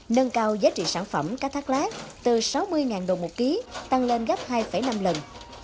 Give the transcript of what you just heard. nâng cao giá trị sản phẩm cá thác lát từ sáu mươi đồng một ký tăng lên gấp hai năm lần